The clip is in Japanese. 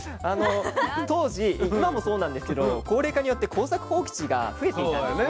当時今もそうなんですけど高齢化によって耕作放棄地が増えていたんですね。